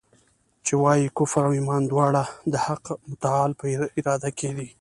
چي وايي کفر او ایمان دواړه د حق متعال په اراده کي دي.